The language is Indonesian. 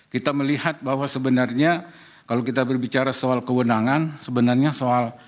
kita melihat bahwa sebenarnya kalau kita berbicara soal kewenangan sebenarnya soal